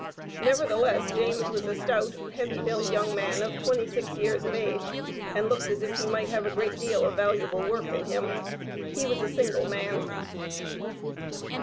Nevertheless James was a stout, heavy built young man of twenty six years of age, and looked as if he might have a great deal of valuable work in him. He was a single man.